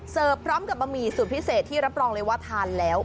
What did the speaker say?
พร้อมกับบะหมี่สูตรพิเศษที่รับรองเลยว่าทานแล้ว